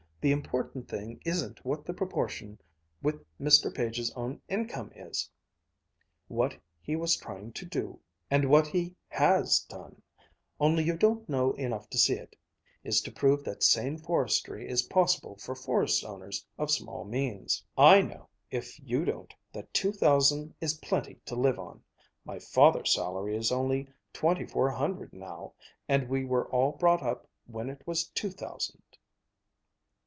The important thing isn't what the proportion with Mr. Page's own income is! What he was trying to do, and what he has done, only you don't know enough to see it, is to prove that sane forestry is possible for forest owners of small means. I know, if you don't, that two thousand is plenty to live on. My father's salary is only twenty four hundred now, and we were all brought up when it was two thousand."